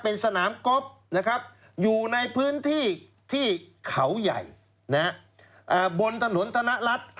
เป็นสนามก๊อบนะครับอยู่ในพื้นที่ที่เขาใหญ่บนถนนธนรัฐ